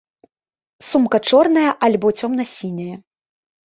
Сумка чорная альбо цёмна сіняя.